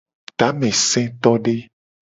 Tamesetode.